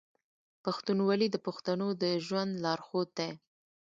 پښتونولي د پښتنو د ژوند لارښود دی.